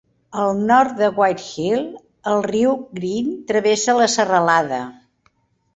Al nord de White Hill, el riu Green travessa la serralada.